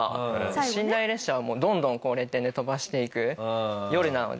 寝台列車はもうどんどんレ点で飛ばしていく夜なので。